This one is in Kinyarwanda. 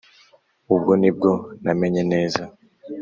ubwo nibwo namenye neza